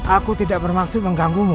aku tidak bermaksud mengganggu mu